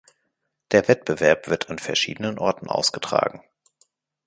Der Wettbewerb wird an verschiedenen Orten ausgetragen.